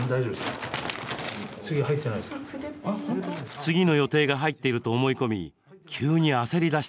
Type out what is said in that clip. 次の予定が入っていると思い込み、急に焦りだしたのです。